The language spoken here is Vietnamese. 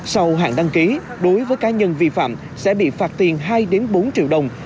sau hạn đăng ký đối với cá nhân vi phạm sẽ bị phạt tiền hai bốn triệu đồng